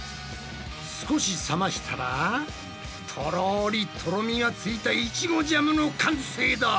少し冷ましたらとろりとろみがついたイチゴジャムの完成だ！